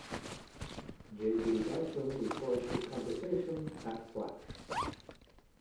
J B Dyson records his conversion at Flash.